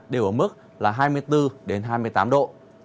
đều ở mức là hai mươi bốn hai mươi tám độ